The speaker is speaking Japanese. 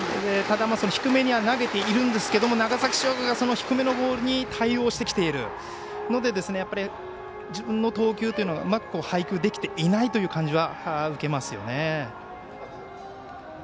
低めには投げているんですが長崎商業が、その低めのボールに対応してきているので自分の投球がうまく配球できていないという感じは受けますよね。